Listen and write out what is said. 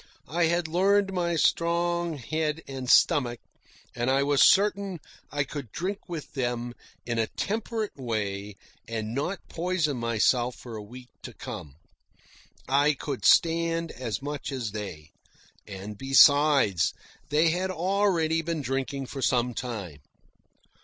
I had learned my strong head and stomach, and I was certain I could drink with them in a temperate way and not poison myself for a week to come. I could stand as much as they; and besides, they had already been drinking for some time.